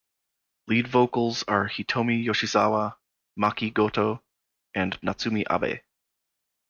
Lead vocals are Hitomi Yoshizawa, Maki Goto, and Natsumi Abe.